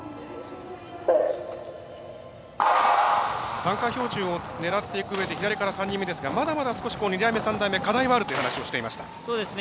参加標準を狙っていくうえで左から３人目、まだまだ２台目、３台目課題はあるという話をしていました。